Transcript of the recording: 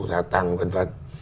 giá tăng v v